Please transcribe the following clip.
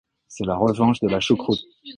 C’est la revanche de la choucroute.